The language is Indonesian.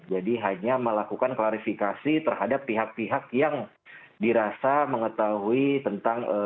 jadi hanya melakukan klarifikasi terhadap pihak pihak yang dirasa mengetahui tentang